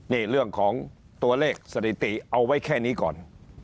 นี่เรื่องของตัวเลขสถิติเอาไว้แค่นี้ก่อน